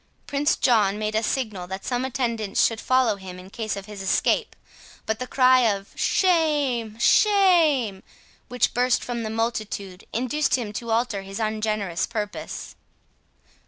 Prince John made a signal that some attendants should follow him in case of his escape: but the cry of "Shame! shame!" which burst from the multitude, induced him to alter his ungenerous purpose.